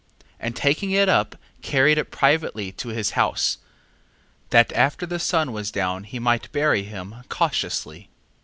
2:4. And taking it up carried it privately to his house, that after the sun was down, he might bury him cautiously.